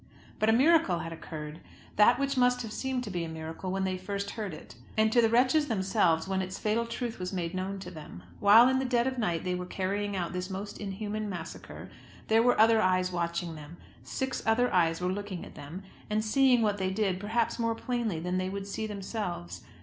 But a miracle had occurred, that which must have seemed to be a miracle when they first heard it, and to the wretches themselves, when its fatal truth was made known to them. While in the dead of night they were carrying out this most inhuman massacre there were other eyes watching them; six other eyes were looking at them, and seeing what they did perhaps more plainly than they would see themselves!